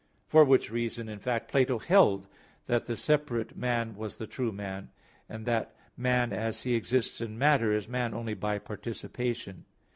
For which reason, in fact, Plato held that the separate man was the true man; and that man as he exists in matter, is man only by participation.